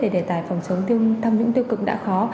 để đề tài phòng chống tham nhũng tiêu cực đã khó